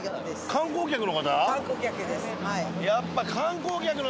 観光客の方？